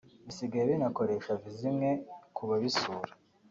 bisigaye binakoresha Viza imwe ku babisura